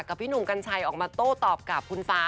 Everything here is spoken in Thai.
พี่หนุ่มกัญชัยออกมาโต้ตอบกับคุณฟ้า